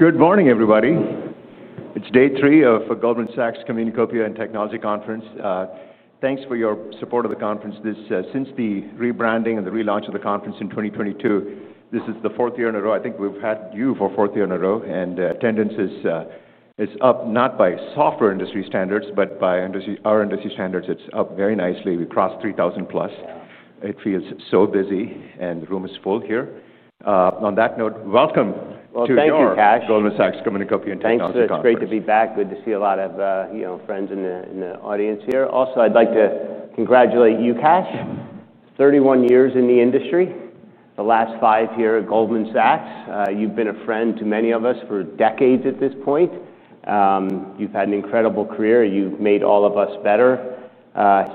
Good morning, everybody. It's day three of the Goldman Sachs Communacopia and Technology Conference. Thanks for your support of the conference. Since the rebranding and the relaunch of the conference in 2022, this is the fourth year in a row. I think we've had you for a fourth year in a row, and attendance is up, not by software industry standards, but by our industry standards. It's up very nicely. We crossed 3,000+. It feels so busy, and the room is full here. On that note, welcome to the Goldman Sachs Communacopia and Technology Conference. Thank you, Kash. It's great to be back. Good to see a lot of friends in the audience here. Also, I'd like to congratulate you, Kash. Thirty-one years in the industry, the last five here at Goldman Sachs. You've been a friend to many of us for decades at this point. You've had an incredible career. You've made all of us better.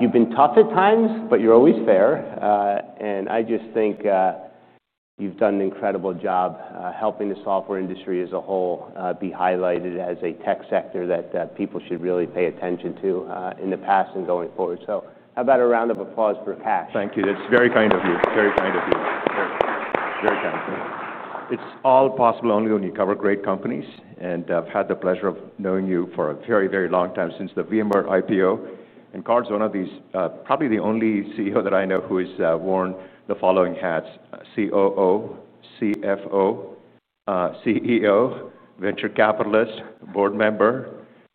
You've been tough at times, but you're always fair. I just think you've done an incredible job helping the software industry as a whole be highlighted as a tech sector that people should really pay attention to in the past and going forward. How about a round of applause for Kash? Thank you. That's very kind of you. It's very kind of you. Very, very kind. It's all possible only when you cover great companies. I've had the pleasure of knowing you for a very, very long time, since the VMware IPO. Carl's one of these, probably the only CEO that I know who has worn the following hats: COO, CFO, CEO, venture capitalist, board member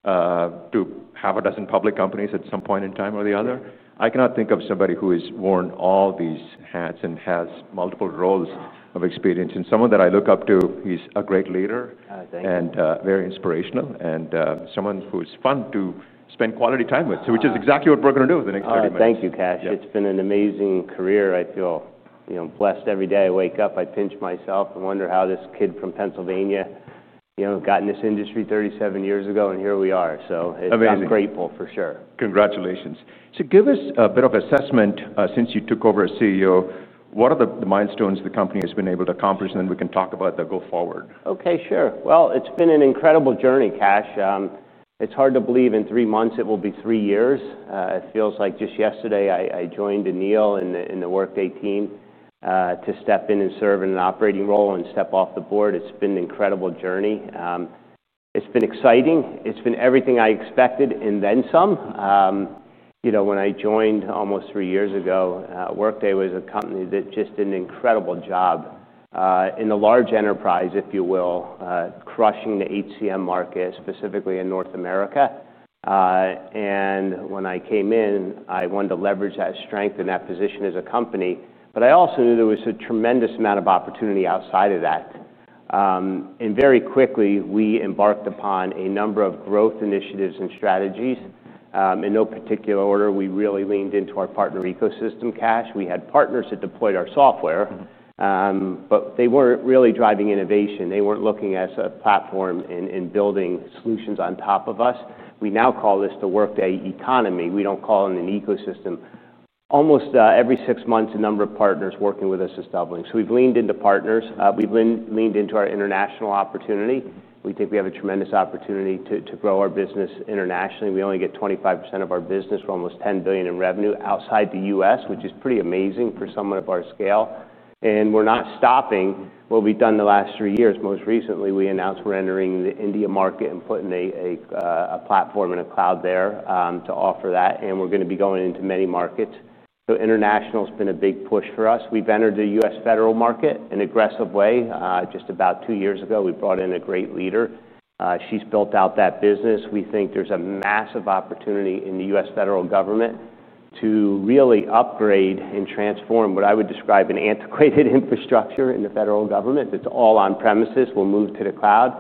to half a dozen public companies at some point in time or the other. I cannot think of somebody who has worn all these hats and has multiple roles of experience. Someone that I look up to, he's a great leader and very inspirational, and someone who's fun to spend quality time with, which is exactly what we're going to do over the next 30 minutes. Thank you, Kash. It's been an amazing career. I feel blessed. Every day I wake up, I pinch myself and wonder how this kid from Pennsylvania got in this industry 37 years ago, and here we are. I'm grateful for sure. Congratulations. Give us a bit of assessment since you took over as CEO. What are the milestones the company has been able to accomplish? We can talk about the go forward. Okay, sure. It's been an incredible journey, Kash. It's hard to believe in three months it will be three years. It feels like just yesterday I joined Aneel in the Workday team to step in and serve in an operating role and step off the board. It's been an incredible journey. It's been exciting. It's been everything I expected and then some. You know, when I joined almost three years ago, Workday was a company that just did an incredible job in a large enterprise, if you will, crushing the HCM market, specifically in North America. When I came in, I wanted to leverage that strength in that position as a company. I also knew there was a tremendous amount of opportunity outside of that. Very quickly, we embarked upon a number of growth initiatives and strategies. In no particular order, we really leaned into our partner ecosystem, Kash. We had partners that deployed our software, but they weren't really driving innovation. They weren't looking at us as a platform and building solutions on top of us. We now call this the Workday economy. We don't call it an ecosystem. Almost every six months, a number of partners working with us is doubling. We've leaned into partners. We've leaned into our international opportunity. We think we have a tremendous opportunity to grow our business internationally. We only get 25% of our business. We're almost $10 billion in revenue outside the U.S., which is pretty amazing for someone of our scale. We're not stopping what we've done the last three years. Most recently, we announced we're entering the India market and putting a platform in a cloud there to offer that. We're going to be going into many markets. International has been a big push for us. We've entered the U.S. federal market in an aggressive way. Just about two years ago, we brought in a great leader. She's built out that business. We think there's a massive opportunity in the U.S. federal government to really upgrade and transform what I would describe as an antiquated infrastructure in the federal government that's all on premises. We'll move to the cloud.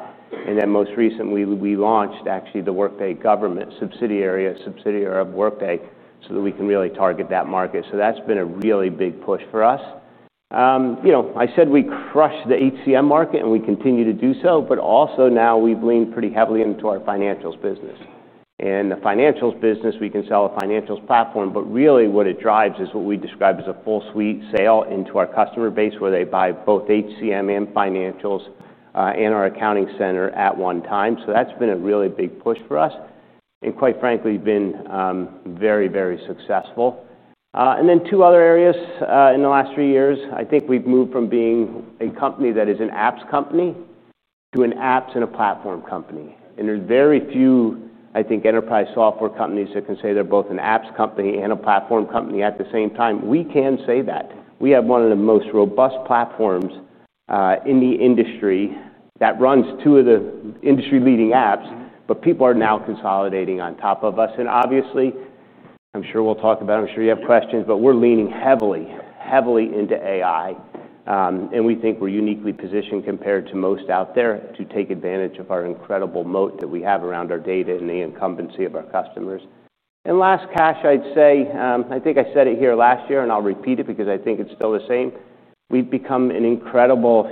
Most recently, we launched actually the Workday Government subsidiary, a subsidiary of Workday, so that we can really target that market. That's been a really big push for us. I said we crushed the HCM market and we continue to do so, but also now we've leaned pretty heavily into our financials business. The financials business, we can sell a financials platform, but really what it drives is what we describe as a full-suite sale into our customer base, where they buy both HCM and financials and our accounting center at one time. That has been a really big push for us. Quite frankly, it's been very, very successful. In two other areas in the last three years, I think we've moved from being a company that is an apps company to an apps and a platform company. There are very few, I think, enterprise software companies that can say they're both an apps company and a platform company at the same time. We can say that. We have one of the most robust platforms in the industry that runs two of the industry-leading apps, but people are now consolidating on top of us. Obviously, I'm sure we'll talk about it. I'm sure you have questions, but we're leaning heavily, heavily into AI. We think we're uniquely positioned compared to most out there to take advantage of our incredible moat that we have around our data and the incumbency of our customers. Last, Kash, I'd say, I think I said it here last year, and I'll repeat it because I think it's still the same. We've become an incredible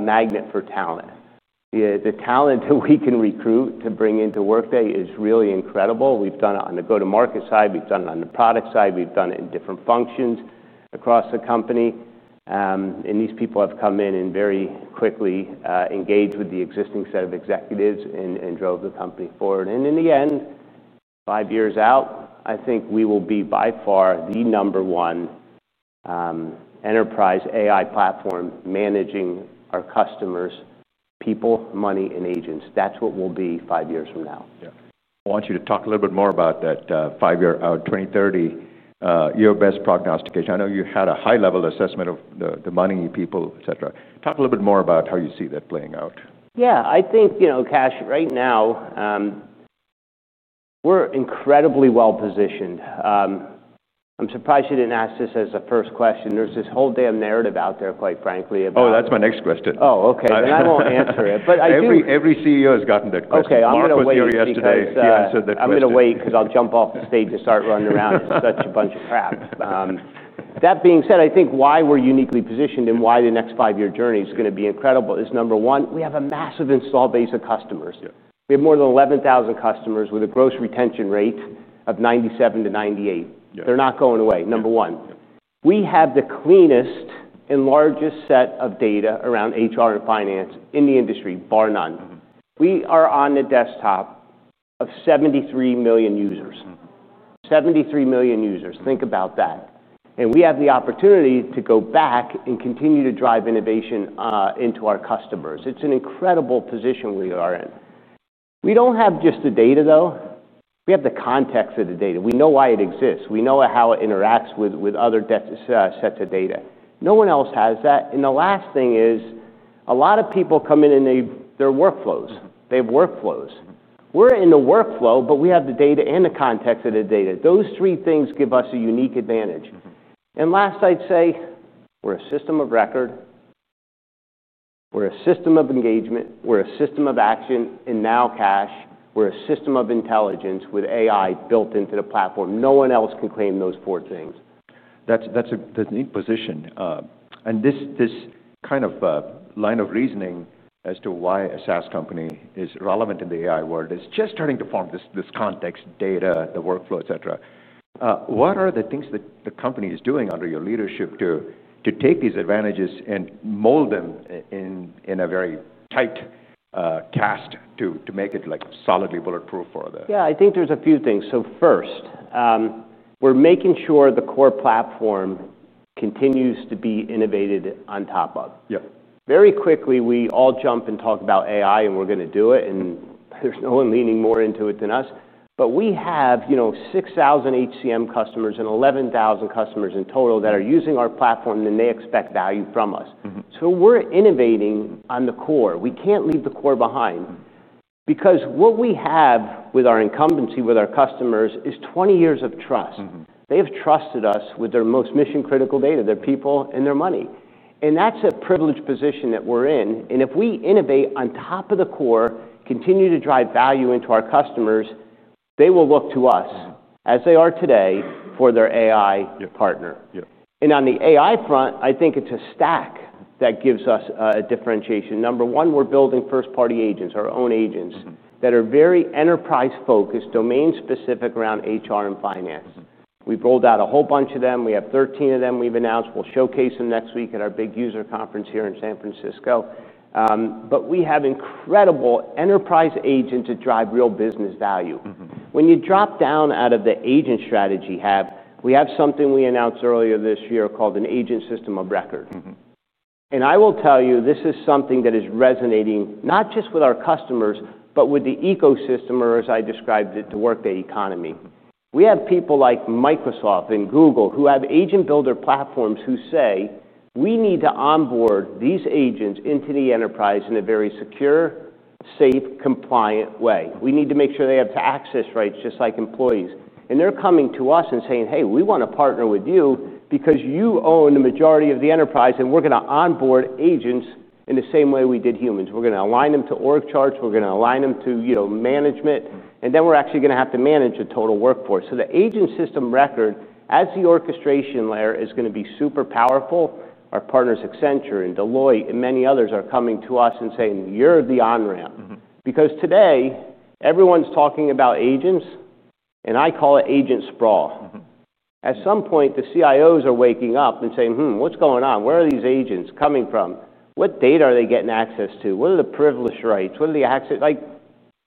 magnet for talent. The talent that we can recruit to bring into Workday is really incredible. We've done it on the go-to-market side. We've done it on the product side. We've done it in different functions across the company. These people have come in and very quickly engaged with the existing set of executives and drove the company forward. In the end, five years out, I think we will be by far the number one enterprise AI platform managing our customers, people, money, and agents. That's what we'll be five years from now. Yeah. I want you to talk a little bit more about that five-year out 2030, your best prognostication. I know you had a high-level assessment of the money, people, etc. Talk a little bit more about how you see that playing out. Yeah, I think, you know, Kash, right now we're incredibly well positioned. I'm surprised you didn't ask this as a first question. There's this whole damn narrative out there, quite frankly. Oh, that's my next question. Oh, okay. I won't answer it. Every CEO has gotten that question. Okay, I'm going to wait. I was here yesterday, so that question. I'm going to wait because I'll jump off the stage and start running around. It's such a bunch of crap. That being said, I think why we're uniquely positioned and why the next five-year journey is going to be incredible is, number one, we have a massive install base of customers. We have more than 11,000 customers with a gross retention rate of 97%-98%. They're not going away, number one. We have the cleanest and largest set of data around HR and finance in the industry, bar none. We are on the desktop of 73 million users. 73 million users, think about that. We have the opportunity to go back and continue to drive innovation into our customers. It's an incredible position we are in. We don't have just the data, though. We have the context of the data. We know why it exists. We know how it interacts with other sets of data. No one else has that. The last thing is a lot of people come in and their workflows. They have workflows. We're in the workflow, but we have the data and the context of the data. Those three things give us a unique advantage. Last, I'd say we're a system of record. We're a system of engagement. We're a system of action. Now, Kash, we're a system of intelligence with AI built into the platform. No one else can claim those four things. That's a neat position. This kind of line of reasoning as to why a SaaS company is relevant in the AI world is just starting to form this context, data, the workflow, et cetera. What are the things that the company is doing under your leadership to take these advantages and mold them in a very tight cast to make it like solidly bulletproof for them? I think there's a few things. First, we're making sure the core platform continues to be innovated on top of. Yeah. Very quickly, we all jump and talk about AI, and we're going to do it. There's no one leaning more into it than us. We have, you know, 6,000 HCM customers and 11,000 customers in total that are using our platform, and they expect value from us. We're innovating on the core. We can't leave the core behind because what we have with our incumbency, with our customers, is 20 years of trust. They have trusted us with their most mission-critical data, their people, and their money. That's a privileged position that we're in. If we innovate on top of the core, continue to drive value into our customers, they will look to us as they are today for their AI partner. On the AI front, I think it's a stack that gives us a differentiation. Number one, we're building first-party agents, our own agents that are very enterprise-focused, domain-specific around HR and finance. We've rolled out a whole bunch of them. We have 13 of them we've announced. We'll showcase them next week at our big user conference here in San Francisco. We have incredible enterprise agents that drive real business value. When you drop down out of the agent strategy hat, we have something we announced earlier this year called an Agent System of Record. I will tell you, this is something that is resonating not just with our customers, but with the ecosystem, or as I described it, the Workday economy. We have people like Microsoft and Google who have agent builder platforms who say, we need to onboard these agents into the enterprise in a very secure, safe, compliant way. We need to make sure they have access rights, just like employees. They're coming to us and saying, hey, we want to partner with you because you own the majority of the enterprise, and we're going to onboard agents in the same way we did humans. We're going to align them to org charts. We're going to align them to management. We're actually going to have to manage a total workforce. The Agent System of Record, as the orchestration layer, is going to be super powerful. Our partners, Accenture and Deloitte and many others, are coming to us and saying, you're the on-ramp. Today, everyone's talking about agents, and I call it agent sprawl. At some point, the CIOs are waking up and saying, what's going on? Where are these agents coming from? What data are they getting access to? What are the privilege rights? What are the access?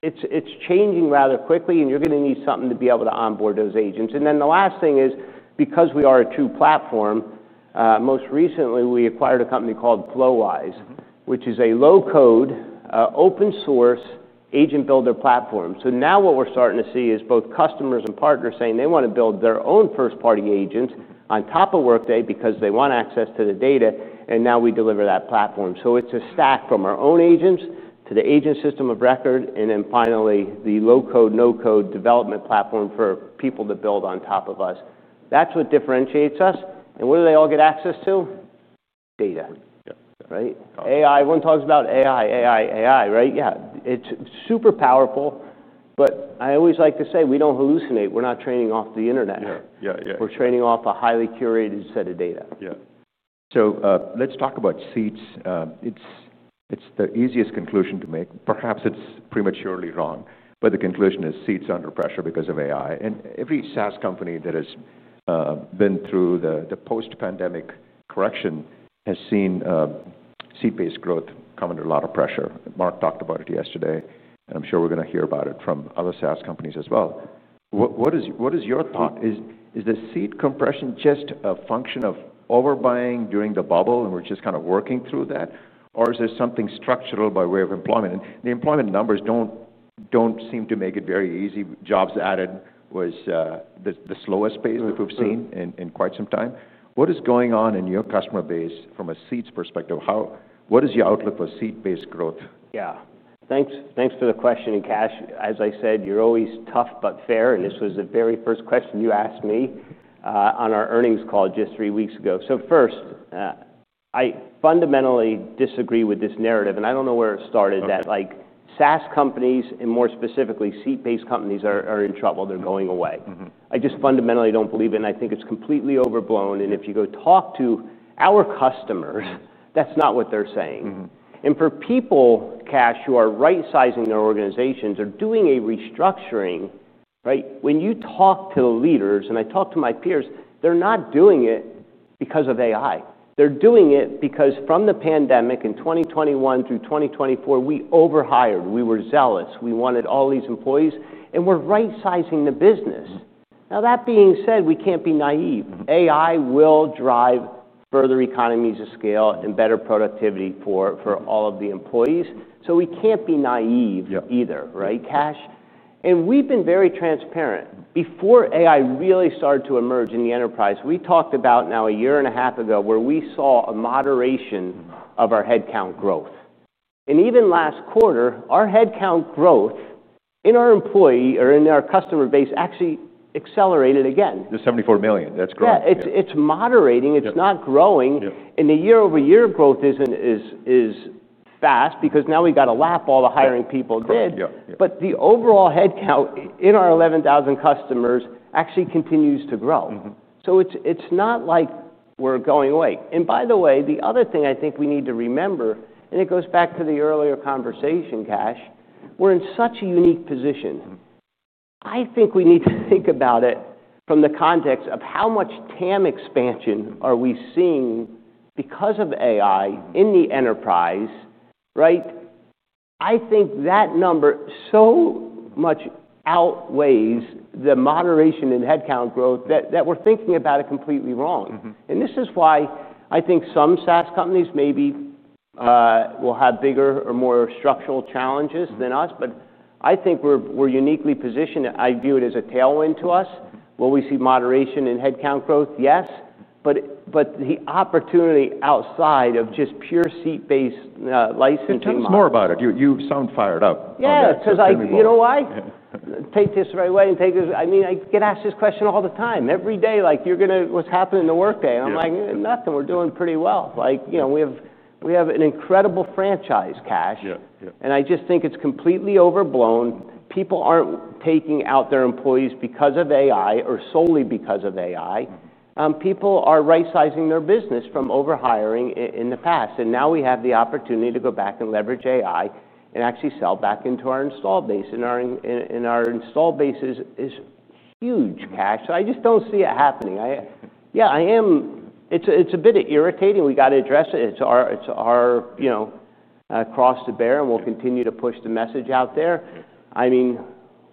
It's changing rather quickly, and you're going to need something to be able to onboard those agents. The last thing is, because we are a true platform, most recently, we acquired a company called Flowise, which is a low-code, open-source agent builder platform. Now what we're starting to see is both customers and partners saying they want to build their own first-party agents on top of Workday because they want access to the data, and now we deliver that platform. It's a stack from our own agents to the Agent System of Record, and finally, the low-code, no-code development platform for people to build on top of us. That's what differentiates us. What do they all get access to? Data. Yeah. AI. One talks about AI, AI, AI, right? Yeah. It's super powerful. I always like to say we don't hallucinate. We're not training off the internet. Yeah, yeah, yeah. We're training off a highly curated set of data. Yeah. Let's talk about seats. It's the easiest conclusion to make. Perhaps it's prematurely wrong. The conclusion is seats are under pressure because of AI. Every SaaS company that has been through the post-pandemic correction has seen seat-based growth come under a lot of pressure. Mark talked about it yesterday, and I'm sure we're going to hear about it from other SaaS companies as well. What is your thought? Is the seat compression just a function of overbuying during the bubble and we're just kind of working through that? Is there something structural by way of employment? The employment numbers don't seem to make it very easy. Jobs added was the slowest pace we've seen in quite some time. What is going on in your customer base from a seats perspective? What is your outlook for seat-based growth? Thanks for the question. Kash, as I said, you're always tough but fair. This was the very first question you asked me on our earnings call just three weeks ago. First, I fundamentally disagree with this narrative, and I don't know where it started that, like, SaaS companies, and more specifically, seat-based companies are in trouble. They're going away. I just fundamentally don't believe in it. I think it's completely overblown. If you go talk to our customers, that's not what they're saying. For people, Kash, who are right-sizing their organizations or doing a restructuring, right? When you talk to the leaders, and I talk to my peers, they're not doing it because of AI. They're doing it because from the pandemic in 2021 through 2024, we overhired. We were zealous. We wanted all these employees, and we're right-sizing the business. That being said, we can't be naive. AI will drive further economies of scale and better productivity for all of the employees. We can't be naive either, right, Kash? We've been very transparent. Before AI really started to emerge in the enterprise, we talked about now a year and a half ago where we saw a moderation of our headcount growth. Even last quarter, our headcount growth in our employee or in our customer base actually accelerated again. There's $74 million. That's growth. Yeah, it's moderating. It's not growing. The year-over-year growth isn't as fast because now we got to lap all the hiring people did. The overall headcount in our 11,000 customers actually continues to grow. It's not like we're going away. By the way, the other thing I think we need to remember, and it goes back to the earlier conversation, Kash, we're in such a unique position. I think we need to think about it from the context of how much total addressable market expansion are we seeing because of AI in the enterprise, right? I think that number so much outweighs the moderation in headcount growth that we're thinking about it completely wrong. This is why I think some SaaS companies maybe will have bigger or more structural challenges than us. I think we're uniquely positioned. I view it as a tailwind to us. Will we see moderation in headcount growth? Yes. The opportunity outside of just pure seat-based licensing. Tell us more about it. You sound fired up. Yeah, because you know why? Take this right away and take this. I mean, I get asked this question all the time, every day, like, you're going to, what's happening to Workday? I'm like, nothing. We're doing pretty well. We have an incredible franchise, Kash. I just think it's completely overblown. People aren't taking out their employees because of AI or solely because of AI. People are right-sizing their business from overhiring in the past. Now we have the opportunity to go back and leverage AI and actually sell back into our install base. Our install base is huge, Kash. I just don't see it happening. Yeah, I am. It's a bit irritating. We got to address it. It's our cross to bear, and we'll continue to push the message out there.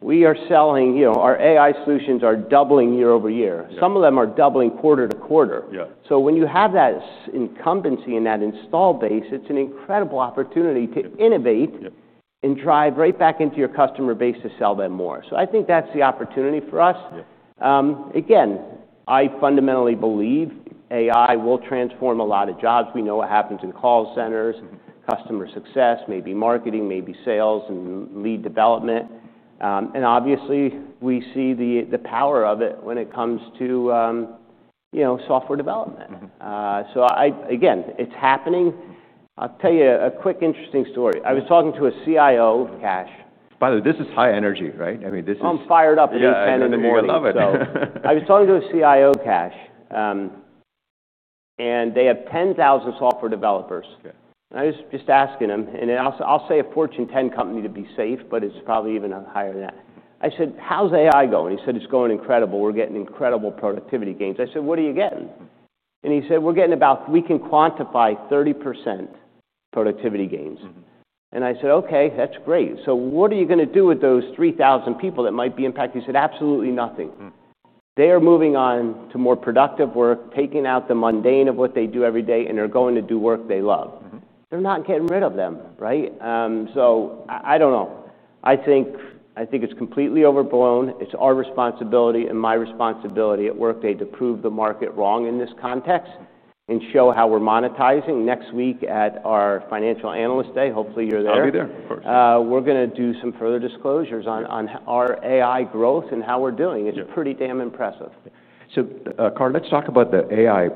We are selling, our AI solutions are doubling year-over-year. Some of them are doubling quarter-to-quarter. When you have that incumbency and that install base, it's an incredible opportunity to innovate and drive right back into your customer base to sell them more. I think that's the opportunity for us. Again, I fundamentally believe AI will transform a lot of jobs. We know what happens in call centers, customer success, maybe marketing, maybe sales, and lead development. Obviously, we see the power of it when it comes to software development. Again, it's happening. I'll tell you a quick, interesting story. I was talking to a CIO, Kash. By the way, this is high energy, right? I mean, this is. I'm fired up with this energy. I'm in the middle of it. I was talking to a CIO, Kash, and they have 10,000 software developers. I was just asking them, and I'll say a Fortune 10 company to be safe, but it's probably even higher than that. I said, how's AI going? He said, it's going incredible. We're getting incredible productivity gains. I said, what are you getting? He said, we're getting about, we can quantify 30% productivity gains. I said, okay, that's great. What are you going to do with those 3,000 people that might be impacted? He said, absolutely nothing. They are moving on to more productive work, taking out the mundane of what they do every day, and they're going to do work they love. They're not getting rid of them, right? I don't know. I think it's completely overblown. It's our responsibility and my responsibility at Workday to prove the market wrong in this context and show how we're monetizing. Next week at our Financial Analyst Day, hopefully you're there. I'll be there. We're going to do some further disclosures on our AI growth and how we're doing. It's pretty damn impressive. Carl, let's talk about the AI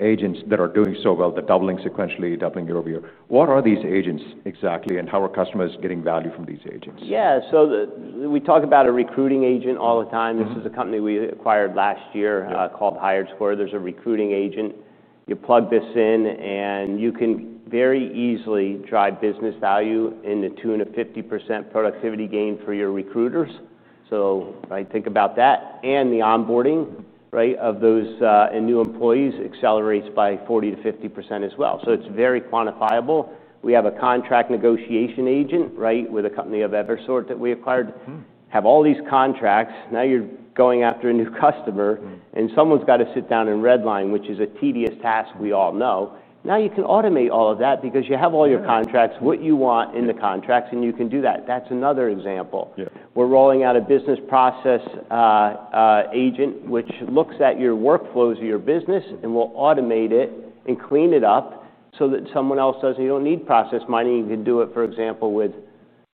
agents that are doing so well, the doubling sequentially, doubling year-over-year. What are these agents exactly and how are customers getting value from these agents? Yeah, we talk about a recruiting agent all the time. This is a company we acquired last year called HiredScore. There's a recruiting agent. You plug this in and you can very easily drive business value in the tune of 50% productivity gain for your recruiters. Think about that. The onboarding of those new employees accelerates by 40%-50% as well. It's very quantifiable. We have a contract negotiation agent with a company of Evirsort that we acquired. Have all these contracts. Now you're going after a new customer and someone's got to sit down and redline, which is a tedious task, we all know. Now you can automate all of that because you have all your contracts, what you want in the contracts, and you can do that. That's another example. We're rolling out a business process agent which looks at your workflows of your business and will automate it and clean it up so that someone else doesn't. You don't need process mining. You can do it, for example, with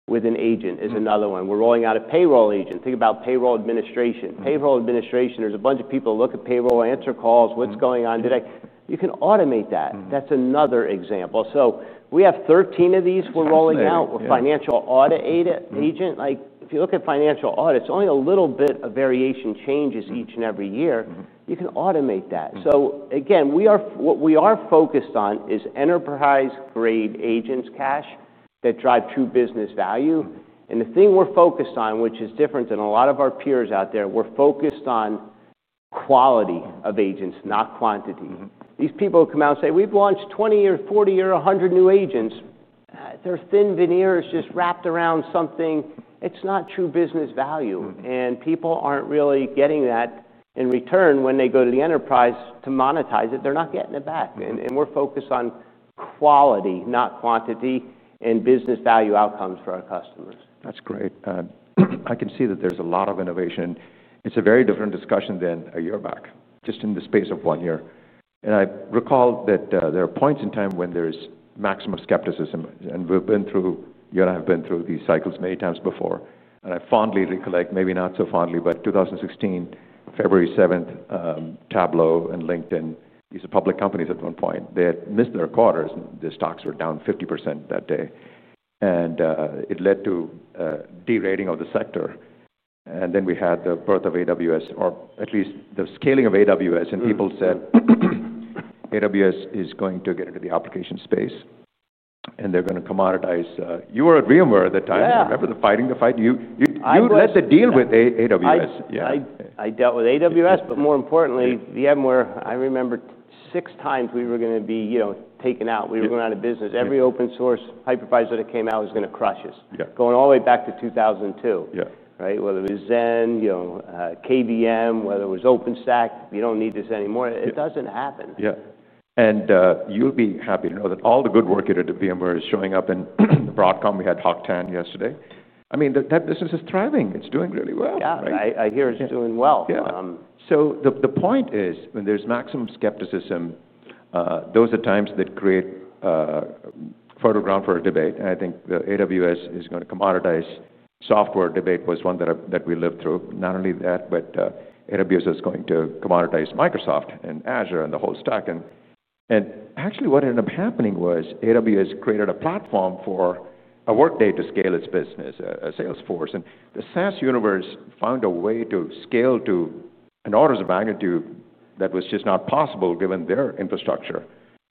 an agent. We're rolling out a payroll agent. Think about payroll administration. Payroll administration, there's a bunch of people who look at payroll, answer calls, what's going on today? You can automate that. That's another example. We have 13 of these we're rolling out. We're a financial audit agent. If you look at financial audits, only a little bit of variation changes each and every year. You can automate that. What we are focused on is enterprise-grade agents, Kash, that drive true business value. The thing we're focused on, which is different than a lot of our peers out there, we're focused on quality of agents, not quantity. These people come out and say, we've launched 20 or 40 or 100 new agents. Their thin veneer is just wrapped around something. It's not true business value. People aren't really getting that in return when they go to the enterprise to monetize it. They're not getting it back. We're focused on quality, not quantity, and business value outcomes for our customers. That's great. I can see that there's a lot of innovation. It's a very different discussion than a year back, just in the space of one year. I recall that there are points in time when there's maximum skepticism. We've been through, you and I have been through these cycles many times before. I fondly recollect, maybe not so fondly, but 2016, February 7th, Tableau and LinkedIn, these are public companies at one point. They had missed their quarters. Their stocks were down 50% that day. It led to a de-rating of the sector. We had the birth of AWS, or at least the scaling of AWS. People said AWS is going to get into the application space. They're going to commoditize. You were at VMware at the time. Yeah. Remember the fighting? I was. You led the deal with AWS. I dealt with AWS, but more importantly, VMware. I remember six times we were going to be, you know, taken out. We were going out of business. Every open-source hypervisor that came out was going to crush us. Yeah. Going all the way back to 2002. Yeah. Whether it was Xen, you know, KVM, whether it was OpenStack, you don't need this anymore. It doesn't happen. You'd be happy to know that all the good work you did at VMware is showing up in the Broadcom. We had Hock Tan yesterday. This is just thriving. It's doing really well. Yeah, I hear it's doing well. Yeah. The point is, when there's maximum skepticism, those are times that create fertile ground for a debate. I think the AWS is going to commoditize software debate was one that we lived through. Not only that, but AWS is going to commoditize Microsoft and Azure and the whole stack. Actually, what ended up happening was AWS created a platform for a Workday to scale its business, a Salesforce. The SaaS universe found a way to scale to an order of magnitude that was just not possible given their infrastructure.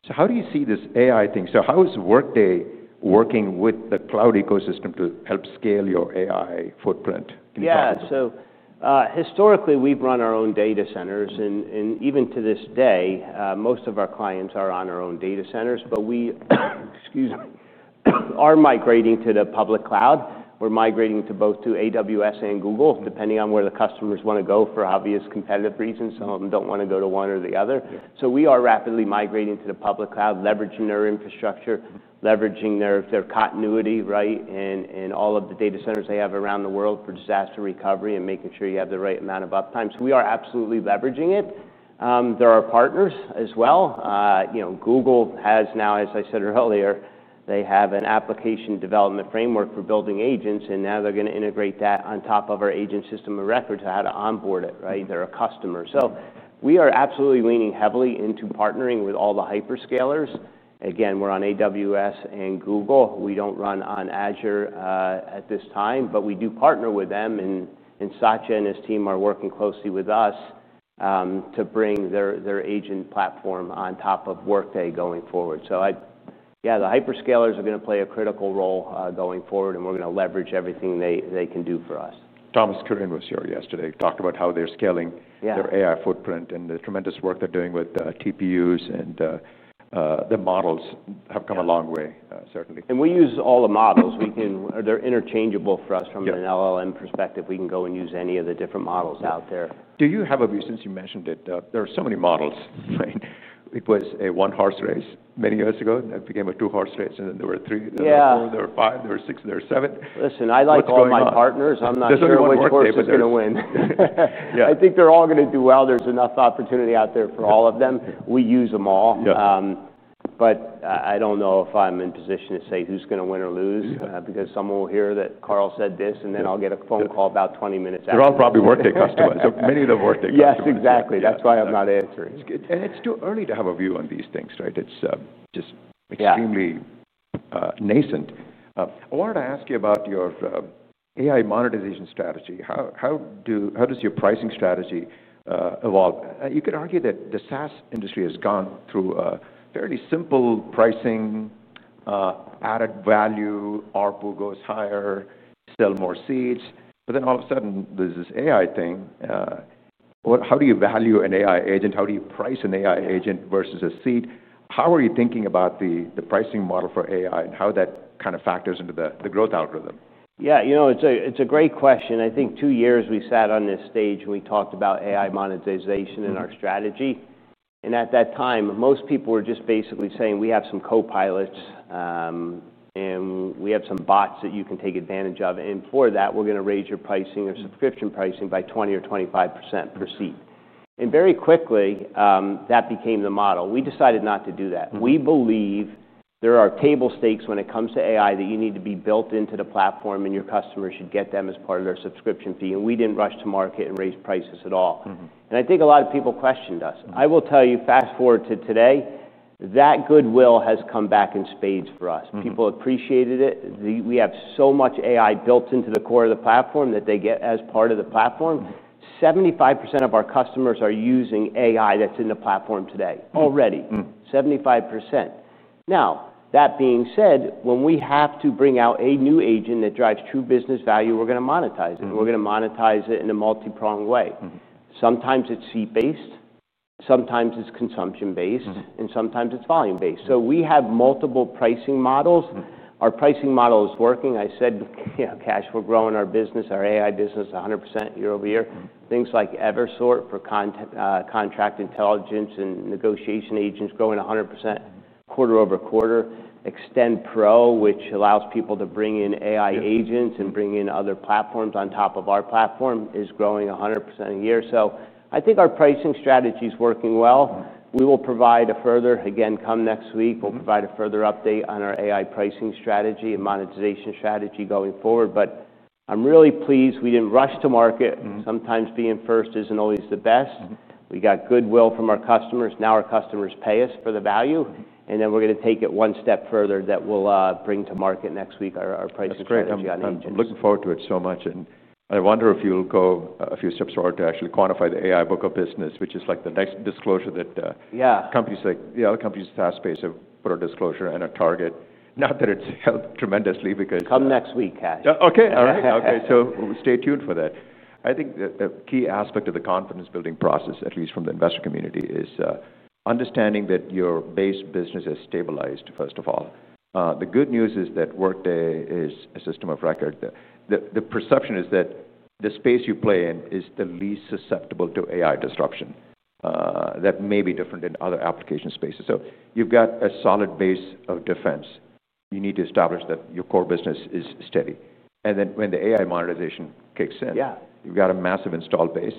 How do you see this AI thing? How is Workday working with the cloud ecosystem to help scale your AI footprint? Yeah, so, historically, we've run our own data centers. Even to this day, most of our clients are on our own data centers. We are migrating to the public cloud. We're migrating to both AWS and Google Cloud, depending on where the customers want to go for obvious competitive reasons. Some of them don't want to go to one or the other. We are rapidly migrating to the public cloud, leveraging their infrastructure, leveraging their continuity, and all of the data centers they have around the world for disaster recovery and making sure you have the right amount of uptime. We are absolutely leveraging it. They are partners as well. Google has now, as I said earlier, they have an application development framework for building agents. Now they're going to integrate that on top of our Agent System of Record to onboard it, right? They're a customer. We are absolutely leaning heavily into partnering with all the hyperscalers. We're on AWS and Google Cloud. We don't run on Azure at this time, but we do partner with them. Sacha and his team are working closely with us to bring their agent platform on top of Workday going forward. The hyperscalers are going to play a critical role going forward. We're going to leverage everything they can do for us. Thomas Kurian was here yesterday, talked about how they're scaling their AI footprint and the tremendous work they're doing with TPUs. The models have come a long way, certainly. We use all the models. They're interchangeable for us from an LLM perspective. We can go and use any of the different models out there. Do you have a view, since you mentioned it, there are so many models, right? It was a one-horse race many years ago. That became a two-horse race. Then there were three. Yeah. There were four, five, six, seven. Listen, I like all my partners. I'm not sure which one of them is going to win. Yeah. I think they're all going to do well. There's enough opportunity out there for all of them. We use them all. Yeah. I don't know if I'm in a position to say who's going to win or lose because someone will hear that Carl said this, and then I'll get a phone call about 20 minutes after. They're all probably Workday customers. Many of them Workday. Yes, exactly. That's why I'm not answering. It's too early to have a view on these things, right? It's just extremely nascent. I wanted to ask you about your AI monetization strategy. How does your pricing strategy evolve? You could argue that the SaaS industry has gone through a fairly simple pricing, added value, ARPU goes higher, sell more seats. All of a sudden, there's this AI thing. How do you value an AI agent? How do you price an AI agent versus a seat? How are you thinking about the pricing model for AI and how that kind of factors into the growth algorithm? Yeah, you know, it's a great question. I think two years ago we sat on this stage and we talked about AI monetization in our strategy. At that time, most people were just basically saying we have some copilots and we have some bots that you can take advantage of. For that, we're going to raise your pricing or subscription pricing by 20% or 25% per seat. Very quickly, that became the model. We decided not to do that. We believe there are table stakes when it comes to AI that need to be built into the platform and your customers should get them as part of their subscription fee. We didn't rush to market and raise prices at all. I think a lot of people questioned us. I will tell you, fast forward to today, that goodwill has come back in spades for us. People appreciated it. We have so much AI built into the core of the platform that they get as part of the platform. 75% of our customers are using AI that's in the platform today already. 75%. That being said, when we have to bring out a new agent that drives true business value, we're going to monetize it. We're going to monetize it in a multi-prong way. Sometimes it's seat-based, sometimes it's consumption-based, and sometimes it's volume-based. We have multiple pricing models. Our pricing model is working. I said, you know, Kash, we're growing our business, our AI business 100% year-over-year. Things like Evisort for contract intelligence and negotiation agents are growing 100% quarter-over-quarter. Extend Pro, which allows people to bring in AI agents and bring in other platforms on top of our platform, is growing 100% a year. I think our pricing strategy is working well. We will provide a further, again, come next week, we'll provide a further update on our AI pricing strategy and monetization strategy going forward. I'm really pleased we didn't rush to market. Sometimes being first isn't always the best. We got goodwill from our customers. Now our customers pay us for the value. We're going to take it one step further that we'll bring to market next week, our pricing strategy. That's great. I'm looking forward to it so much. I wonder if you'll go a few steps forward to actually quantify the AI book of business, which is like the nice disclosure that. Yeah. Companies like the other companies in the SaaS space have put a disclosure and a target. Not that it's helped tremendously because. Come next week, Kash. Okay. All right. Okay. Stay tuned for that. I think a key aspect of the confidence-building process, at least from the investor community, is understanding that your base business is stabilized, first of all. The good news is that Workday is a system of record. The perception is that the space you play in is the least susceptible to AI disruption. That may be different in other application spaces. You've got a solid base of defense. You need to establish that your core business is steady, and then when the AI monetization kicks in. Yeah. You've got a massive install base.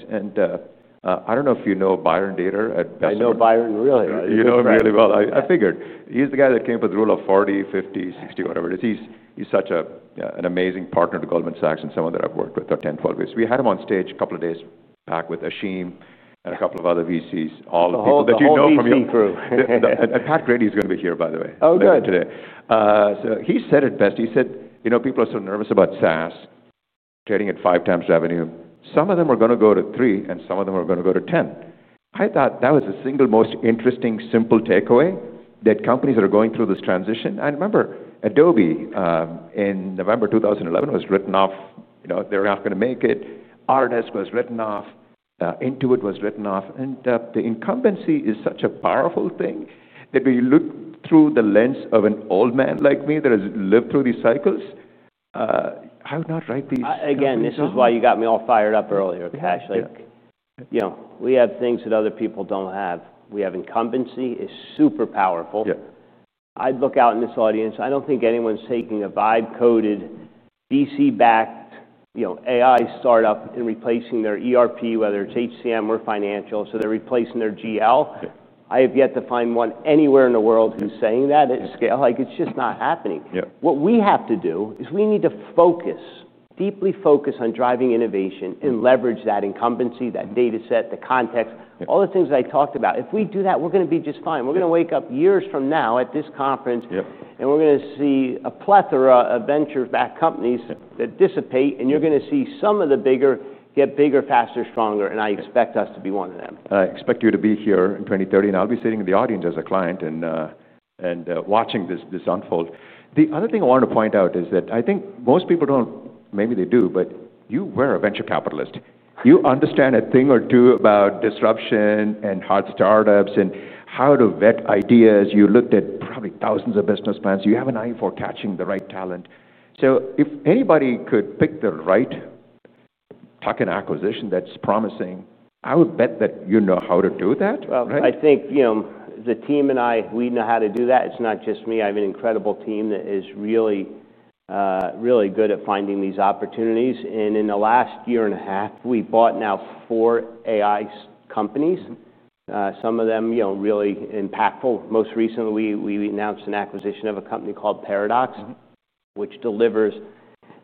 I don't know if you know Byron Deeter at Bessemer. I know Byron really well. You know him really well. I figured. He's the guy that came up with the rule of 40, 50, 60, whatever it is. He's such an amazing partner to Goldman Sachs and someone that I've worked with for 10, 12 years. We had him on stage a couple of days back with Asheem and a couple of other VCs, all the people that you know from your. I'm looking forward to seeing him. Pat Grady is going to be here, by the way. Oh, good. He said at best, he said, you know, people are so nervous about SaaS, trading at 5x revenue. Some of them are going to go to 3x and some of them are going to go to 10x. I thought that was the single most interesting, simple takeaway that companies that are going through this transition. Remember, Adobe, in November 2011, was written off. You know, they're not going to make it. Artist was written off. Intuit was written off. The incumbency is such a powerful thing that when you look through the lens of an old man like me that has lived through these cycles, I would not write these. Again, this is why you got me all fired up earlier, Kash. You know, we have things that other people don't have. We have incumbency. It's super powerful. Yeah. I look out in this audience. I don't think anyone's taking a vibe-coded, VC-backed, you know, AI startup and replacing their ERP, whether it's HCM or financial. They're replacing their GL. I have yet to find one anywhere in the world who's saying that at scale. It's just not happening. Yeah. What we have to do is we need to focus, deeply focus on driving innovation and leverage that incumbency, that data set, the context, all the things I talked about. If we do that, we're going to be just fine. We're going to wake up years from now at this conference. Yeah. We are going to see a plethora of venture-backed companies that dissipate. You are going to see some of the bigger get bigger, faster, stronger. I expect us to be one of them. I expect you to be here in 2030. I'll be sitting in the audience as a client and watching this unfold. The other thing I want to point out is that I think most people don't, maybe they do, but you were a venture capitalist. You understand a thing or two about disruption and hot startups and how to vet ideas. You looked at probably thousands of business plans. You have an eye for catching the right talent. If anybody could pick the right talking acquisition that's promising, I would bet that you know how to do that. I think, you know, the team and I, we know how to do that. It's not just me. I have an incredible team that is really, really good at finding these opportunities. In the last year and a half, we bought now four AI companies. Some of them, you know, really impactful. Most recently, we announced an acquisition of a company called Paradox, which delivers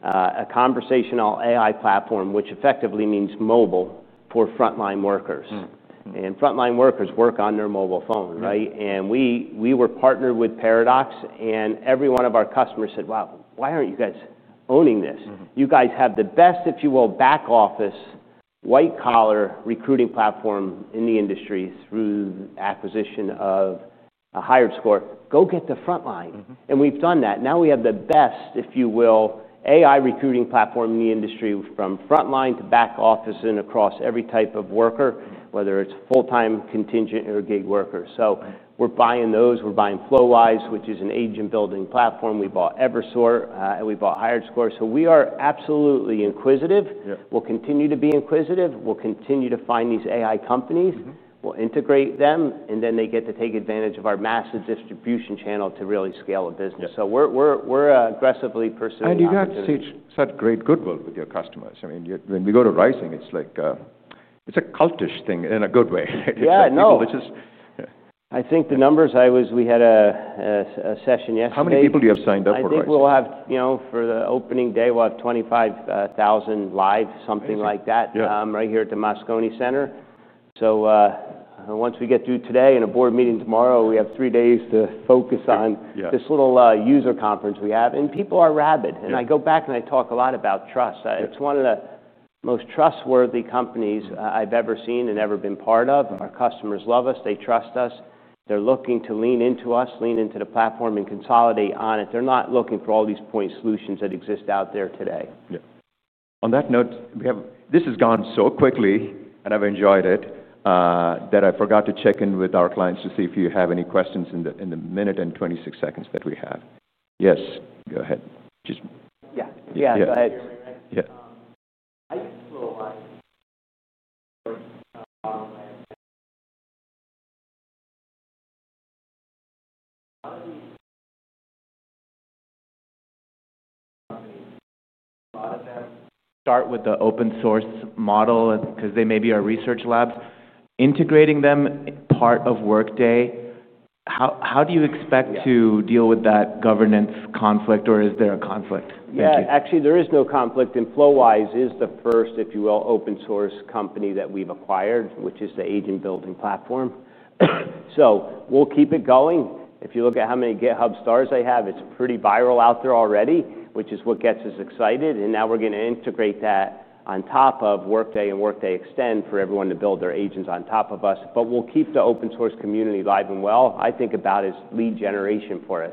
a conversational AI platform, which effectively means mobile for frontline workers. Frontline workers work on their mobile phone, right? We were partnered with Paradox. Every one of our customers said, wow, why aren't you guys owning this? You guys have the best, if you will, back-office white-collar recruiting platform in the industry through the acquisition of HiredScore. Go get the frontline. We've done that. Now we have the best, if you will, AI recruiting platform in the industry from frontline to back-office and across every type of worker, whether it's full-time, contingent, or gig workers. We're buying those. We're buying Flowise, which is an agent-building platform. We bought Evisort. We bought HiredScore. We are absolutely inquisitive. Yeah. We'll continue to be inquisitive. We'll continue to find these AI companies, integrate them, and then they get to take advantage of our massive distribution channel to really scale a business. We're aggressively pursuing that. You got to see such great goodwill with your customers. I mean, when we go to Rising, it's like a cultish thing in a good way. Yeah, no, which is, I think the numbers I was, we had a session yesterday. How many people do you have signed up for Rising? I think we'll have, you know, for the opening day, what, 25,000 live, something like that. Yeah. Right here at the Moscone Center. Once we get through today and a board meeting tomorrow, we have three days to focus on this little user conference we have. People are rabid. I go back and I talk a lot about trust. It's one of the most trustworthy companies I've ever seen and ever been part of. Our customers love us. They trust us. They're looking to lean into us, lean into the platform and consolidate on it. They're not looking for all these point solutions that exist out there today. Yeah. On that note, this has gone so quickly and I've enjoyed it that I forgot to check in with our clients to see if you have any questions in the minute and 26 seconds that we have. Yes, go ahead. Just. Yeah, go ahead. Yeah. I will start with the open-source model because they may be our research labs. Integrating them as part of Workday, how do you expect to deal with that governance conflict, or is there a conflict? Yeah, actually, there is no conflict. Flowise is the first, if you will, open-source company that we've acquired, which is the agent-building platform. We'll keep it going. If you look at how many GitHub stars they have, it's pretty viral out there already, which is what gets us excited. Now we're going to integrate that on top of Workday and Workday Extend for everyone to build their agents on top of us. We'll keep the open-source community alive and well. I think about it as lead generation for us.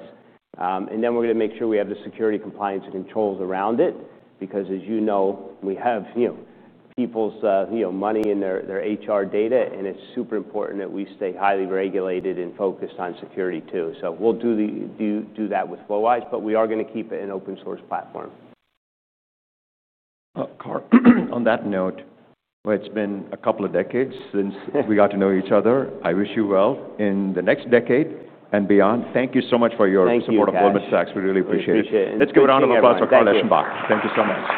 We're going to make sure we have the security, compliance, and controls around it because, as you know, we have people's money in their HR data. It's super important that we stay highly regulated and focused on security too. We'll do that with Flowise, but we are going to keep it an open-source platform. Carl, on that note, it's been a couple of decades since we got to know each other. I wish you well in the next decade and beyond. Thank you so much for your support of Goldman Sachs. We really appreciate it. Let's give a round of applause for Carl Eschenbach. Thank you so much.